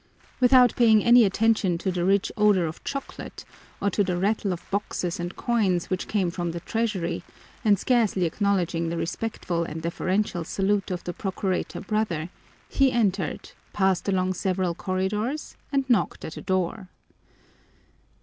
Without paying any attention to the rich odor of chocolate, or to the rattle of boxes and coins which came from the treasury, and scarcely acknowledging the respectful and deferential salute of the procurator brother, he entered, passed along several corridors, and knocked at a door.